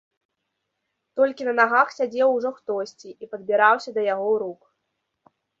Толькі на нагах сядзеў ужо хтосьці і падбіраўся да яго рук.